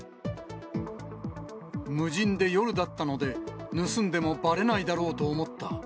無人で夜だったので、盗んでもばれないだろうと思った。